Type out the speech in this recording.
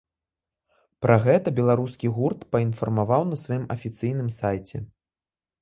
Пра гэта беларускі гурт паінфармаваў на сваім афіцыйным сайце.